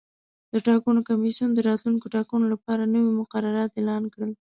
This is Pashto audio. د ټاکنو کمیسیون د راتلونکو ټاکنو لپاره نوي مقررات اعلان کړل.